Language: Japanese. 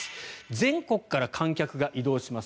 全国から観客が移動します。